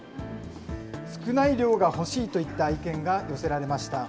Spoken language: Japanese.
少ない量が欲しいといった意見が寄せられました。